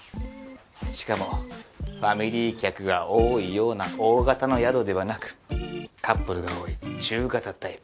しかもファミリー客が多いような大型の宿ではなくカップルが多い中型タイプ。